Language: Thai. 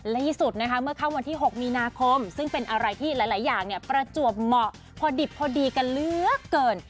ล่าสุดนะคะเมื่อค่ำวันที่๖มีนาคมซึ่งเป็นอะไรที่หลายอย่างประจวบเหมาะพอดิบพอดีกันเหลือเกิน